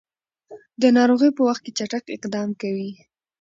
د ناروغۍ په وخت کې چټک اقدام کوي.